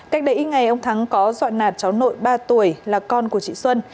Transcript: cách đấy ngày ông thắng có dọa nạt cháu nội ba tuổi là con của chị xuân